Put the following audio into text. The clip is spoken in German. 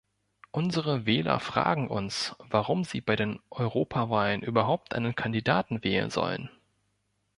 Unsere Wähler fragen uns, warum sie bei den Europawahlen überhaupt einen Kandidaten wählen sollen.